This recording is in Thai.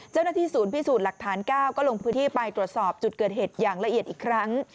เจ้าหน้าที่ศูนย์พิสูจน์หลักฐาน๙ก็ลงพื้นที่ไปตรวจสอบจุดเกิดเหตุอย่างละเอียดอีกครั้ง